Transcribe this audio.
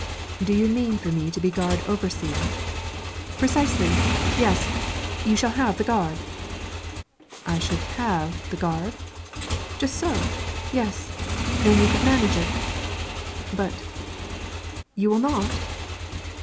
"Do you mean for me to be gard overseer?" "Precisely yes; you should have the gard." "I should have the gard?" "Just so yes: then you could manage it." "But" "You will not?"